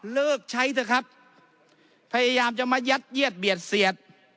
เลิกใช้เถอะครับพยายามจะมายัดเยียดเบียดเสียด